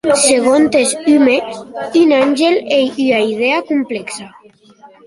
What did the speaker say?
Segontes Hume, un àngel ei ua idia complèxa.